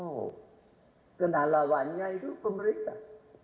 oh kenalawannya itu pemerintah